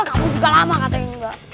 kamu juga lama katanya mbak